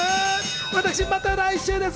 私、また来週です。